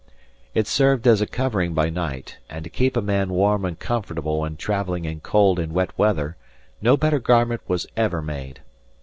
It served as a covering by night, and to keep a man warm and comfortable when travelling in cold and wet weather no better garment was ever made.